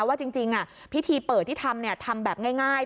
ว่าจริงพิธีเปิดที่ทำทำแบบง่าย